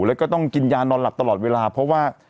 แล้วก็ต้องกินยานอนหลับตลอดเวลาเพราะว่า